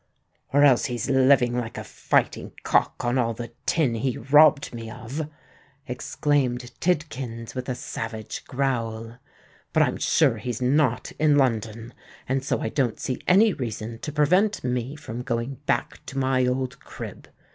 "Or else he's living like a fighting cock on all the tin he robbed me of," exclaimed Tidkins, with a savage growl. "But I'm sure he's not in London; and so I don't see any reason to prevent me from going back to my old crib.